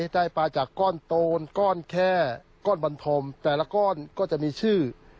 ได้ปลาจากก้อนโตนก้อนแค่ก้อนบรรธมแต่ละก้อนก็จะมีชื่อ